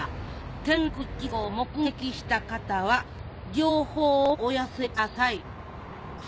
転落事故を目撃した方は情報をお寄せください」。